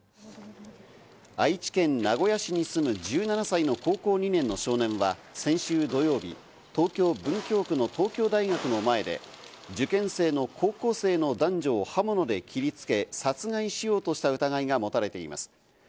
愛知県名古屋市に住む１７歳の高校２年の少年は、先週土曜日、東京・文京区の東京大学の前で受験生の高校生の男女を刃物で切りつけ殺害しようとした疑いが持たれています。